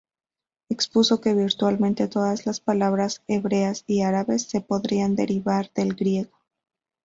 Expuso que virtualmente todas las palabras hebreas y árabes se podrían "derivar" del griego.